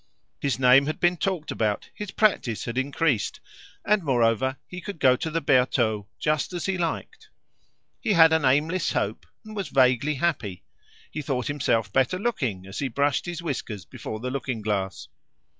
His name had been talked about, his practice had increased; and moreover, he could go to the Bertaux just as he liked. He had an aimless hope, and was vaguely happy; he thought himself better looking as he brushed his whiskers before the looking glass.